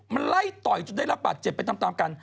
มันไล่ต่อยจนได้รับบาดเจ็บไปตามกัน